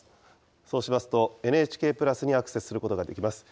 そうしますと、ＮＨＫプラスにアクセスすることができます。